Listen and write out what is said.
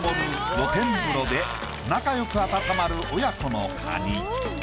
露天風呂で仲良く温まる親子のカニ。